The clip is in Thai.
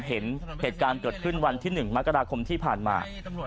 เหตุการณ์เกิดขึ้นวันที่๑มกราคมที่ผ่านมา